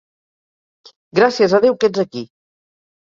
Gràcies a Déu que ets aquí!